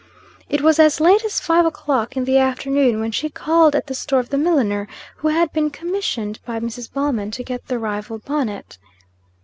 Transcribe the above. It was as late as five o'clock in the afternoon when she called at the store of the milliner who had been commissioned by Mrs. Ballman to get the rival bonnet.